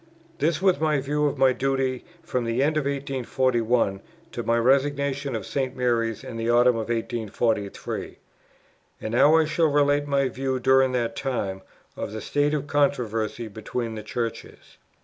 This was my view of my duty from the end of 1841, to my resignation of St. Mary's in the autumn of 1843. And now I shall relate my view, during that time, of the state of the controversy between the Churches.